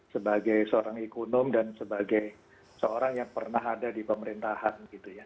sebagai seorang ekonom dan sebagai seorang yang pernah ada di pemerintahan gitu ya